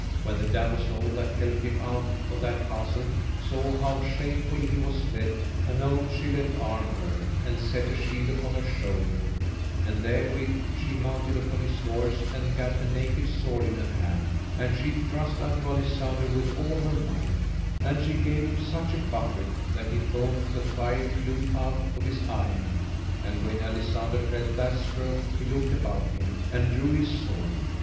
When the damosel that helped him out of that castle saw how shamefully he was led, anon she let arm her, and set a shield upon her shoulder; and therewith she mounted upon his horse, and gat a naked sword in her hand, and she thrust unto Alisander with all her might, and she gave him such a buffet that he thought the fire flew out of his eyen. And when Alisander felt that stroke he looked about him, and drew his sword.